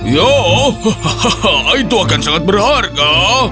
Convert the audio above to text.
ya itu akan sangat berharga